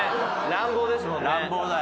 乱暴ですもんね。